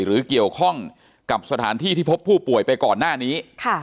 หรือเกี่ยวข้องกับสถานที่ที่พบผู้ป่วยไปก่อนหน้านี้